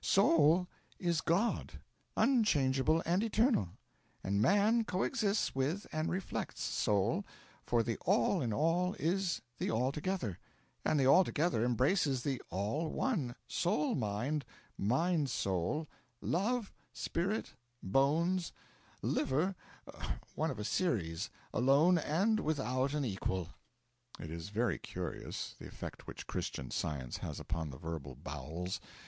Soul is God, unchangeable and eternal; and man coexists with and reflects Soul, for the All in all is the Altogether, and the Altogether embraces the All one, Soul Mind, Mind Soul, Love, Spirit, Bones, Liver, one of a series, alone and without an equal.' (It is very curious, the effect which Christian Science has upon the verbal bowels.